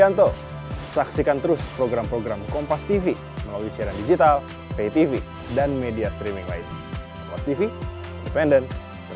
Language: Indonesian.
yang tidak mungkin kita masih bisa berhubungan baik dengan pak jokowi itu aja kesimpulannya